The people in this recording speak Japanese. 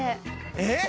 えっ？